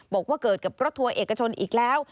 บอกว่าเกิดกับรถทัวร์เอกชนอีกแล้ว